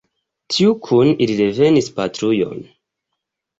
Tiu kun ili revenis patrujon.